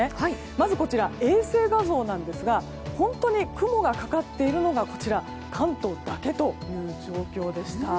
まずこちら、衛星画像なんですが雲がかかっているのが関東だけという状況でした。